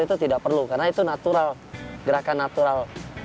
itu tidak perlu karena itu natural gerakan natural